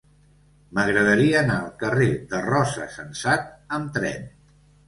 M'agradaria anar al carrer de Rosa Sensat amb tren.